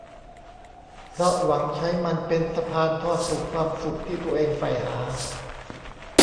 เพราะหวังใช้มันเป็นสะพานทอดสู่ความสุขที่ตัวเองใฝ่หา